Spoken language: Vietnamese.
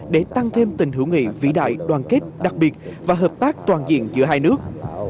để tăng thêm tình hữu nghị vĩ đại đoàn kết đặc biệt và hợp tác toàn diện giữa hai nước